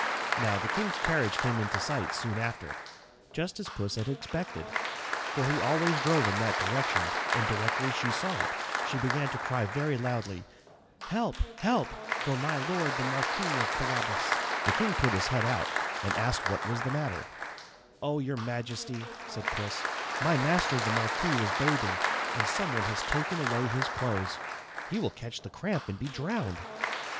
Now, the king's carriage came in sight soon after, just as Puss had expected, for he always drove in that direction, and directly she saw it, she began to cry very loudly, "Help, help, for my Lord the Marquis of Carrabas." The king put his head out, and asked what was the matter. [Illustration: PUSS ASKS HELP FOR HIS MASTER.] "Oh, your majesty," said Puss, "my master the marquis was bathing, and some one has taken away his clothes. He will catch the cramp and be drowned."